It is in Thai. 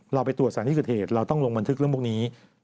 เราไปตรวจสารที่เกิดเหตุเราต้องลงบันทึกเรื่องพวกนี้